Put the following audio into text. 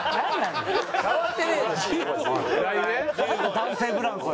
男性ブランコよ。